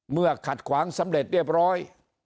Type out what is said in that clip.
ขัดขวางสำเร็จเรียบร้อย